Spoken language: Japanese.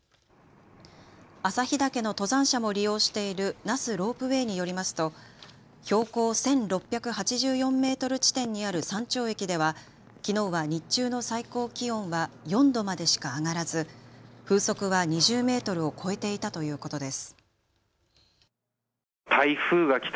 朝日岳の登山者も利用している那須ロープウェイによりますと標高１６８４メートル地点にある山頂駅ではきのうは日中の最高気温は４度までしか上がらず風速は２０メートルを超えていたということです。